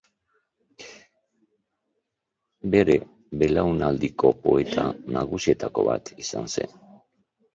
Bere belaunaldiko poeta nagusietako bat izan zen.